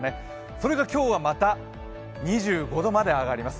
それが今日はまた２５度まで上がります。